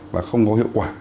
và không có hiệu quả